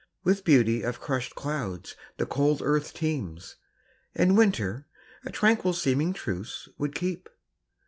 With beauty of crushed clouds the cold earth teems, And winter a tranquil seeming truce would keep.